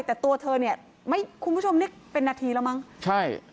แต่ตัวเธอเนี่ยไม่คุณผู้ชมนี่เป็นนาทีแล้วมั้งใช่